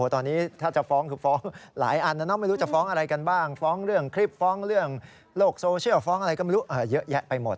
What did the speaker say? ตอนนี้ถ้าจะฟ้องคือฟ้องหลายอันนะไม่รู้จะฟ้องอะไรกันบ้างฟ้องเรื่องคลิปฟ้องเรื่องโลกโซเชียลฟ้องอะไรก็ไม่รู้เยอะแยะไปหมด